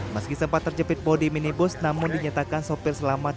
meski sempat terjepit bodi minibus namun dinyatakan sopir selamat